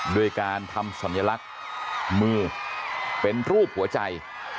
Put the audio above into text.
โดยการทำสัญลักษณ์มือเป็นรูปหัวใจ